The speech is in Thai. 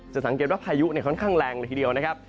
สังเกตว่าพายุค่อนข้างแรงเลยทีเดียวนะครับ